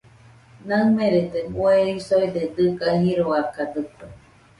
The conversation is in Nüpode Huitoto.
Naɨmerede bueisoide dɨga jiroakadɨkue.